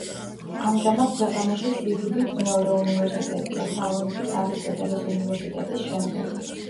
ამჟამად ქვეყანაში სიდიდთ მეორე უნივერსიტეტია სალონიკის არისტოტელეს უნივერსიტეტის შემდეგ.